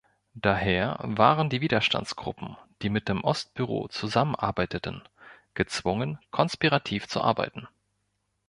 Daher waren die Widerstandsgruppen, die mit dem Ostbüro zusammenarbeiteten, gezwungen, konspirativ zu arbeiten.